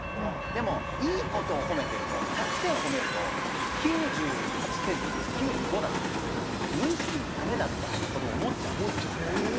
でも、いいことを褒めてると、１００点を褒めると、９８点とか９５点だったときに無意識にダメだったって思っちゃうんです。